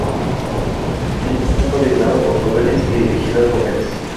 El movimiento está coordinado por jóvenes y dirigido a jóvenes.